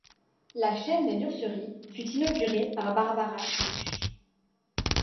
La chaîne des nurseries fut inaugurée par Barbara Bush.